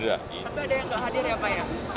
ada yang gak hadir ya pak ya